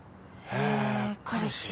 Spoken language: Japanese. へぇ彼氏。